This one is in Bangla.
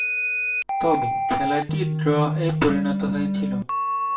তবে খেলাটি ড্রয়ে পরিণত হয়েছিল।